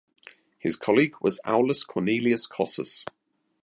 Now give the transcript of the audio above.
His colleague was Aulus Cornelius Cossus.